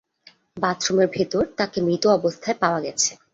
বাথরুমের ভেতর তাঁকে মৃত অবস্থায় পাওয়া গেছে।